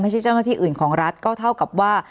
เจ้าหน้าที่อื่นของรัฐก็เท่ากับว่า